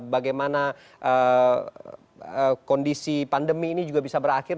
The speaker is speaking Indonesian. bagaimana kondisi pandemi ini juga bisa berakhir